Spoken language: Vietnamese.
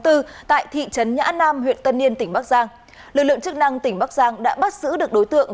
tại thị trấn nhã nam huyện tân yên tỉnh bắc giang lực lượng chức năng tỉnh bắc giang đã bắt giữ được đối tượng